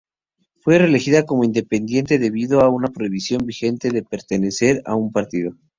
Fue reelegida como independiente debido a una prohibición vigente de pertenecer a un partido.